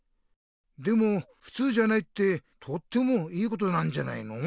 でもふつうじゃないってとってもいいことなんじゃないの。